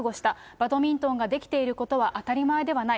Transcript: バドミントンができていることは当たり前ではない。